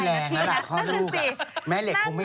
แม่เหล็กคงไม่พอ